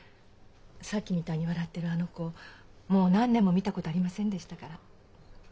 さっきみたいに笑ってるあの子もう何年も見たことありませんでしたから。